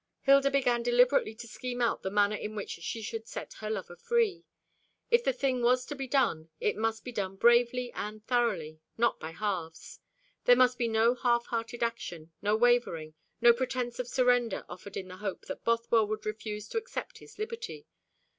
Hilda began deliberately to scheme out the manner in which she should set her lover free. If the thing was to be done, it must be done bravely and thoroughly not by halves. There must be no half hearted action, no wavering, no pretence of surrender offered in the hope that Bothwell would refuse to accept his liberty.